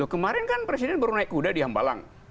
kemarin kan presiden baru naik kuda di hambalang